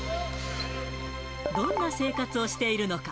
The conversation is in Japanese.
どんな生活をしているのか。